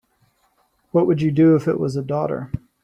What would you do if it was a daughter?